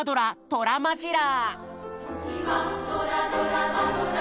トラマジラ！」